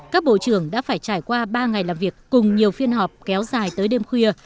các bộ trưởng đã phải trải qua ba ngày làm việc cùng nhiều phiên họp kéo dài tới đêm khuya